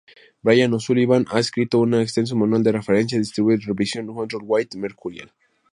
Bryan O'Sullivan ha escrito un extenso manual de referencia, Distributed revision control with Mercurial.